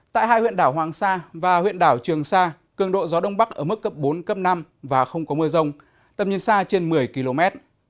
tại hai huyện đảo hoàng sa và huyện đảo trường sa cường độ gió đông bắc ở mức cấp bốn cấp năm và không có mưa rông tầm nhìn xa trên một mươi km